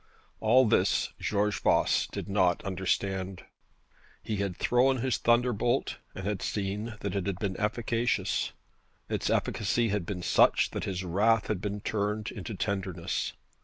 All this George Voss did not understand. He had thrown his thunderbolt, and had seen that it had been efficacious. Its efficacy had been such that his wrath had been turned into tenderness.